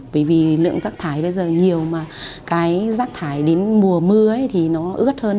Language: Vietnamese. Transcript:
bởi vì lượng rác thải bây giờ nhiều mà cái rác thải đến mùa mưa thì nó ướt hơn